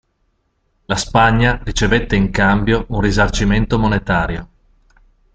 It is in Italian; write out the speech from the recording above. La Spagna ricevette in cambio un risarcimento monetario.